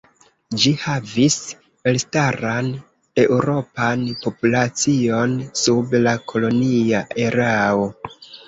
Ĝi havis elstaran eŭropan populacion sub la kolonia erao.